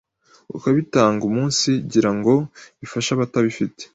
ukabitanga umunsigira ngo bifashe abatabifite.